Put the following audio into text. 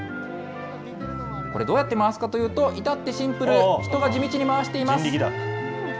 これ、どうやって回すかというと、至ってシンプル、人が地道に回しています。